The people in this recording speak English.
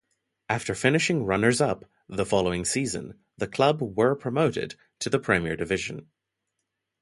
After finishing runners-up the following season, the club were promoted to the Premier Division.